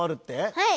はい。